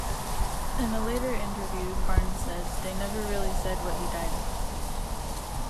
In a later interview, Barnes said, They never really said what he died of.